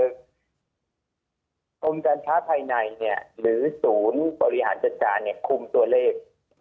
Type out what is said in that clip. กรมการค้าภายในหรือศูนย์บริหารจัดการคุมตัวเลข